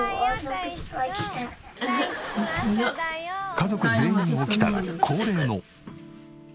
家族全員起きたら恒例の。